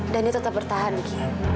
dan dia tetap bertahan ki